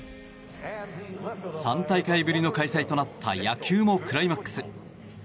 ３大会ぶりの開催となった野球もクライマックス。